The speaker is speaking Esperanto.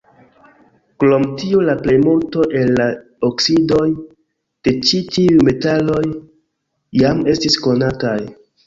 Krom tio la plejmulto el la oksidoj de ĉi-tiuj metaloj jam estis konataj.